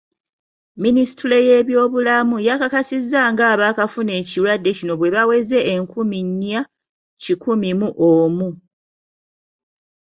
Minisitule y'ebyobulamu yakakasizza nga abakafuna ekirwadde kino bwebaweze enkumi nnya kikumi mu omu.